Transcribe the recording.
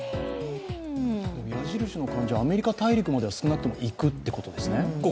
矢印の感じ、アメリカ大陸までは少なくとも行くってことですね？